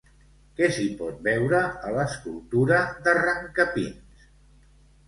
Què s'hi pot veure a l'escultura d'Arrancapins?